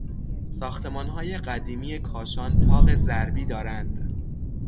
ساختمانهای قدیمی کاشان تاق ضربی دارند.